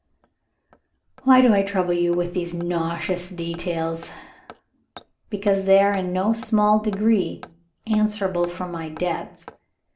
"Why do I trouble you with these nauseous details? Because they are in no small degree answerable for my debts.